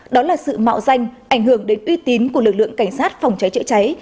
đó là sự mạo danh ảnh hưởng đến uy tín của lực lượng cảnh sát phòng cháy chữa cháy